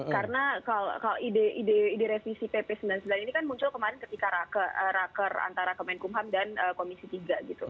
karena kalau ide revisi pp sembilan puluh sembilan ini kan muncul kemarin ketika raker antara kemenkumham dan komisi tiga gitu